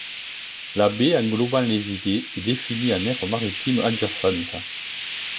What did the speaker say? La baie englobant les îlets est définie en aire maritime adjacente.